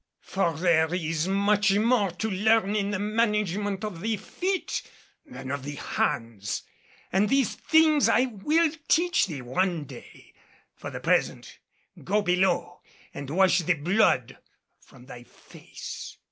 For there is much more to learn in the management of the feet than of the hands; and these things I will teach thee one day. For the present, go below and wash the blood from thy face.